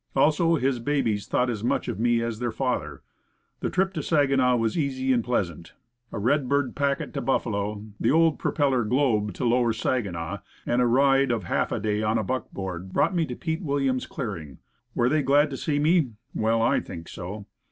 Also, his babies thought as much of me as of their father. The trip to Saginaw was easy and pleasant. A "Redbird" packet to Buf falo, the old propeller Globe to Lower Saginaw, and a ride of half a day on a buckboard, brought me to Pete Williams's clearing. Were they glad to see me? Well, I think so.